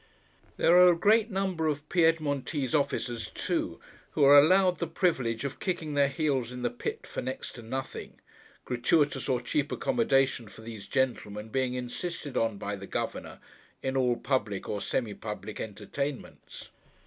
There are a great number of Piedmontese officers too, who are allowed the privilege of kicking their heels in the pit, for next to nothing: gratuitous, or cheap accommodation for these gentlemen being insisted on, by the Governor, in all public or semi public entertainments.